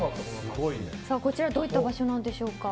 こちらはどういった場所なんでしょうか？